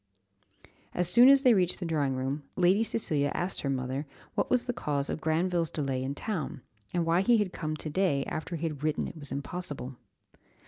As soon as they reached the drawing room, Lady Cecilia asked her mother what was the cause of Granville's delay in town, and why he had come to day, after he had written it was impossible?